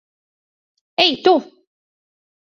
Ei, tu!